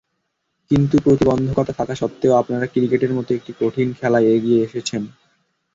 কিন্তু প্রতিবন্ধকতা থাকা সত্ত্বেও আপনারা ক্রিকেটের মতো একটি কঠিন খেলায় এগিয়ে এসেছেন।